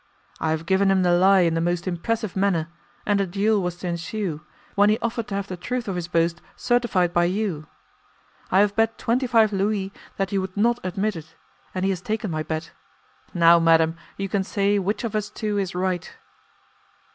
I have given him the lie in the most impressive manner, and a duel was to ensue, when he offered to have the truth of his boast certified by you. I have bet twenty five Louis that you would not admit it, and he has taken my bet. Now, madam, you can say which of us two is right.